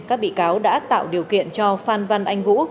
các bị cáo đã tạo điều kiện cho phan văn anh vũ